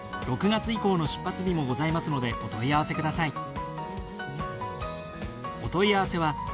６月以降の出発日もございますのでお問い合わせください。